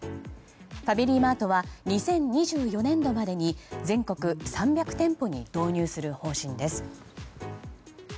ファミリーマートは２０２４年度までに全国３００店舗に導入する方針です。